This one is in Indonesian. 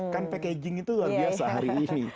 kan packaging itu luar biasa hari ini